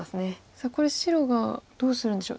さあこれ白がどうするんでしょう。